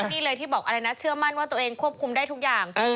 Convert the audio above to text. นี่เลยที่บอกอะไรนะเชื่อมั่นว่าตัวเองควบคุมได้ทุกอย่าง